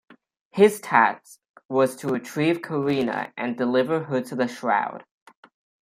His task was to retrieve Karina and deliver her to the Shroud.